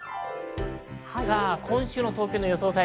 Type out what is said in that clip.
今週の東京の予想